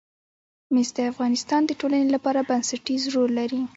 مس د افغانستان د ټولنې لپاره بنسټيز رول لري.